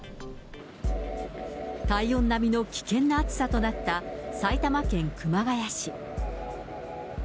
体温並みの危険な暑さとなった埼玉県熊谷市。